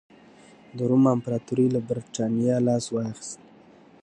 د روم امپراتورۍ له برېټانیا لاس واخیست.